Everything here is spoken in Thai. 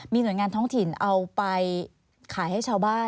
มีหน่วยงานท้องถิ่นเอาไปขายให้ชาวบ้าน